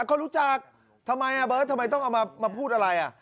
เขารู้จักทำไมเบิร์ททำไมต้องเอามาพูดอะไร